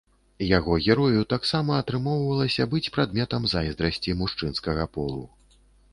Яго герою таксама атрымоўвалася быць прадметам зайздрасці мужчынскага полу.